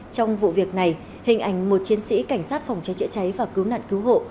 trong vụ việc này hình ảnh một chiến sĩ cảnh sát phòng cháy chữa cháy và cứu nạn cứu hộ